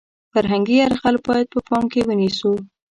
فرهنګي یرغل باید په پام کې ونیسو .